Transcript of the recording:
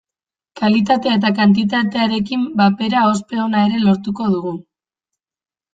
Kalitatea eta kantitatearekin batera ospe ona ere lortuko dugu.